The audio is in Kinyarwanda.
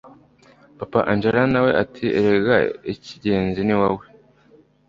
papa angella nawe ati erega icyigenzi niwowe